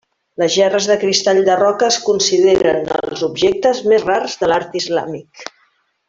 Les gerres de cristall de roca es consideren els objectes més rars de l'art islàmic.